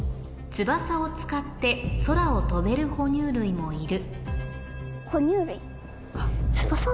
翼を使って空を飛べるほ乳類もいる。